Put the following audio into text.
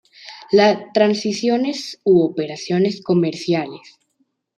Las transacciones u operaciones comerciales.